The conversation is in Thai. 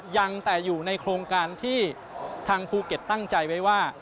ยังแต่อยู่ในโครงการที่ทางภูเก็ตตั้งใจไว้ว่า